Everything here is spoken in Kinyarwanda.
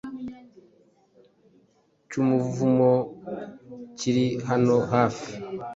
cy’umuvumu, kiri hano hafi,